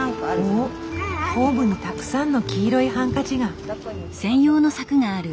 おっホームにたくさんの黄色いハンカチが。